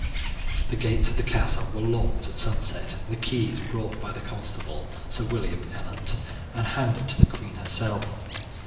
"The gates of the castle were locked at sunset, and the keys brought by the constable, Sir William Eland, and handed to the queen herself.